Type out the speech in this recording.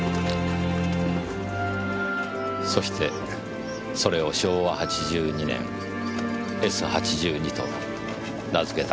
そしてそれを「昭和８２年」「Ｓ８２」と名付けたのですねぇ。